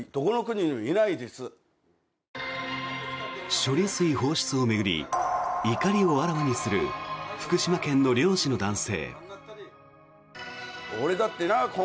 処理水放出を巡り怒りをあらわにする福島県の漁師の男性。